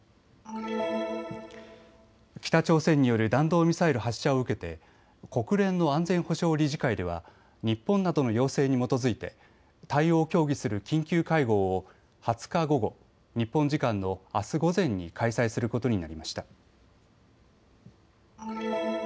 北朝鮮による弾道ミサイル発射を受けて国連の安全保障理事会では日本などの要請に基づいて対応を協議する緊急会合を２０日午後、日本時間のあす午前に開催することになりました。